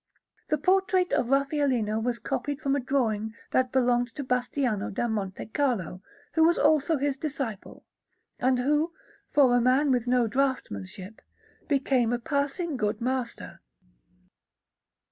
The portrait of Raffaellino was copied from a drawing that belonged to Bastiano da Monte Carlo, who was also his disciple, and who, for a man with no draughtsmanship, became a passing good master.